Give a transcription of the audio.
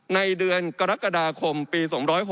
ในเดือนกรกฎาคมปี๒๖๖